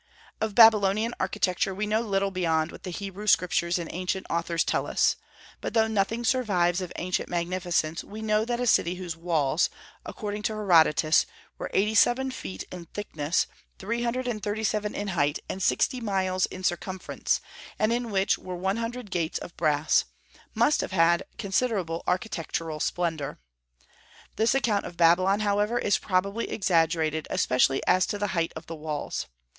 Of Babylonian architecture we know little beyond what the Hebrew Scriptures and ancient authors tell us. But though nothing survives of ancient magnificence, we know that a city whose walls, according to Herodotus, were eighty seven feet in thickness, three hundred and thirty seven in height, and sixty miles in circumference, and in which were one hundred gates of brass, must have had considerable architectural splendor. This account of Babylon, however, is probably exaggerated, especially as to the height of the walls.